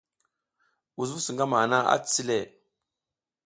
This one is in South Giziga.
Wusnu su ngama hana a cici le.